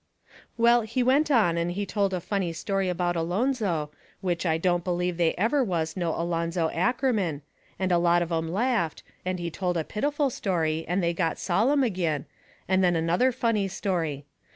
Well, he went on and he told a funny story about Alonzo, which I don't believe they ever was no Alonzo Ackerman, and a lot of 'em laughed; and he told a pitiful story, and they got sollum agin, and then another funny story.